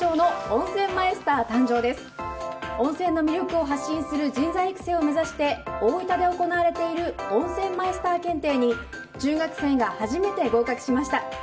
温泉の魅力を発信する人材育成を目指して大分で行われている温泉マイスター検定に中学生が初めて合格しました。